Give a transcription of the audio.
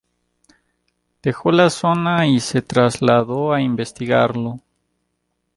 Dejó la zona y se trasladó a investigarlo.